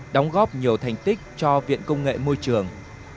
đóng góp nhiều thành tích cho viện công nghệ môi trường